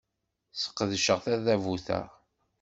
Sqedceɣ tadabut-a.